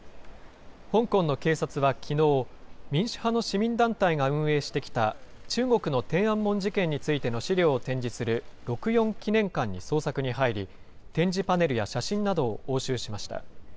香港の警察はきのう、民主派の市民団体が運営してきた中国の天安門事件についての資料を展示する六四記念館に捜索に入り、展示パネルや写真などを押収しました。